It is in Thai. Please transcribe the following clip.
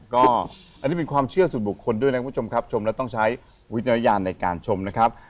ก็อันนี้เป็นความเชื่อส่วนบุคคลด้วยนะคุณผู้ชมครับชมแล้วต้องใช้วิจารณญาณในการชมนะครับ